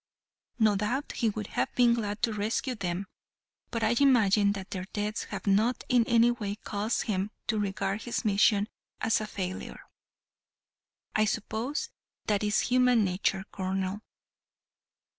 No doubt he would have been glad to rescue them; but I imagine that their deaths have not in any way caused him to regard his mission as a failure. I suppose that it's human nature, colonel."